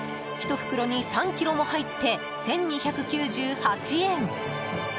１袋に３ｋｇも入って１２９８円。